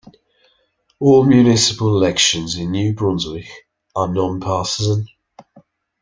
All municipal elections in New Brunswick are non-partisan.